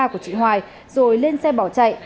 của chị hoài rồi lên xe bỏ chạy